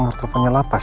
kembar telfonnya lapas ya